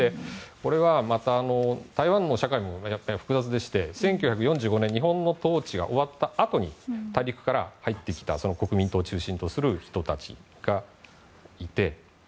これはまた台湾の社会も複雑でして１９４５年に日本の統治が終わったあとに大陸から入ってきた、国民党を中心とする人たちがいて。